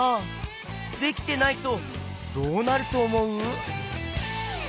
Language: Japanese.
できてないとどうなるとおもう？